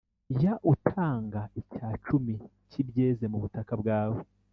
jya utanga icya cumi cy’ibyeze mu butaka bwawe